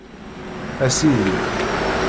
A Sidi!